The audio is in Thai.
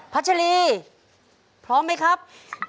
ัชรีพร้อมไหมครับ